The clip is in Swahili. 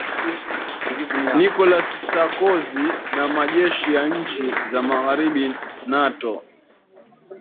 nicolas sarkozy na majeshi ya nchi za magharibi nato